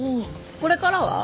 これからは？